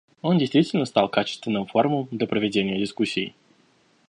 Он действительно стал качественным форумом для проведения дискуссий.